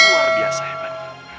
luar biasa hebat